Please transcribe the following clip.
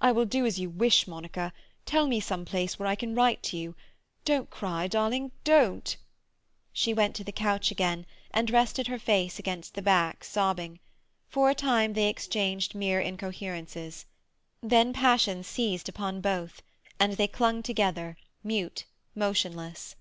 I will do as you wish, Monica. Tell me some place where I can write to you. Don't cry, darling—don't—" She went to the couch again, and rested her face against the back, sobbing. For a time they exchanged mere incoherences. Then passion seized upon both, and they clung together, mute, motionless.